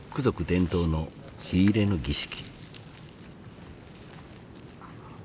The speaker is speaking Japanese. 伝統の火入れの儀式。